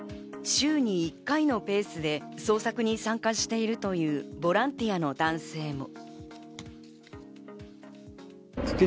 週に１回のペースで捜索に参加しているというボランティアの男性も。